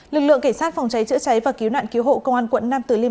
lực lượng cảnh sát phòng cháy chữa cháy và cứu nạn cứu hộ công an quận nam tử liêm